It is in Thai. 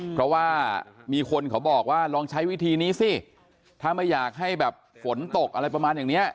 เพราะว่ามีคนเขาบอกว่าลองใช้วิธีนี้สิถ้าไม่อยากให้แบบฝนตกอะไรประมาณอย่างเนี้ย